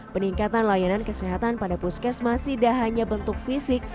peningkatan layanan kesehatan pada puskes masih dah hanya bentuk fisik